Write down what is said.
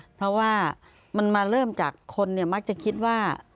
เพราะว่ามันมาเริ่มจากคนเนี่ยมักจะคิดว่า